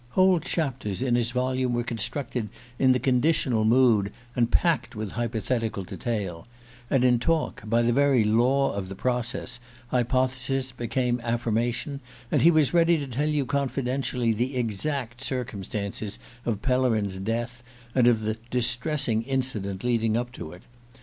Whole chapters in his volume were constructed in the conditional mood and packed with hypothetical detail; and in talk, by the very law of the process, hypothesis became affirmation, and he was ready to tell you confidentially the exact circumstances of Pellerin's death, and of the "distressing incident" leading up to it.